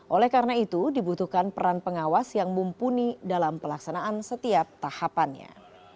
oleh karena itu dibutuhkan peran pengawas yang mumpuni dalam pelaksanaan setiap tahapannya